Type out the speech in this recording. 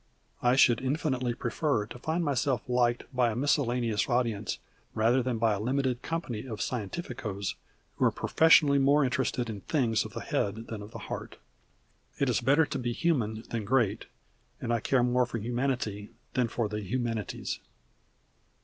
I should infinitely prefer to find myself liked by a miscellaneous audience rather than by a limited company of scientificos who are professionally more interested in things of the head than of the heart. It is better to be human than great, and I care more for Humanity than for the Humanities.